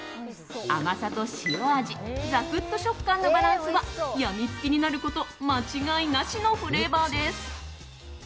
甘さと塩味ザクッと食感のバランスは病みつきになること間違いなしのフレーバーです。